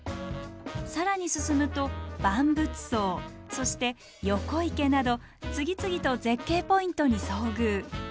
更に進むと万物相そして横池など次々と絶景ポイントに遭遇。